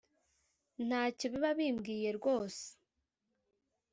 Ntacyo biba bimbwiye rwose